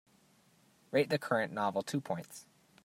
Rate the current novel two points